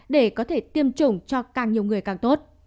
để có thể tiêm chủng cho càng nhiều người càng tốt